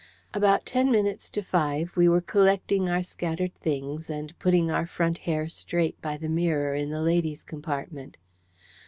About ten minutes to five, we were collecting our scattered things, and putting our front hair straight by the mirror in the ladies' compartment.